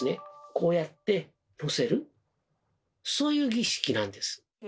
こうやってのせるそういう儀式なんです。